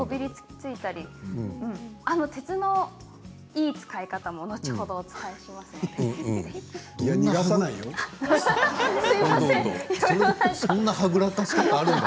鉄のいい使い方も後ほどご紹介しますので。